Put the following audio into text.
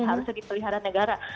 harusnya dipelihara negara